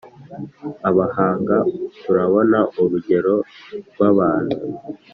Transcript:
abahanga turabona urugero rwabantu